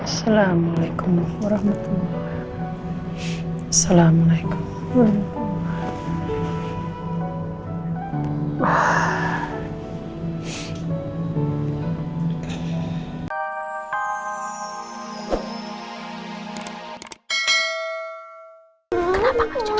assalamualaikum warahmatullahi wabarakatuh